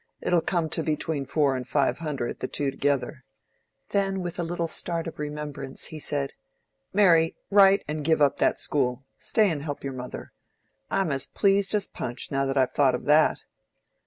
"It'll come to between four and five hundred, the two together." Then with a little start of remembrance he said, "Mary, write and give up that school. Stay and help your mother. I'm as pleased as Punch, now I've thought of that."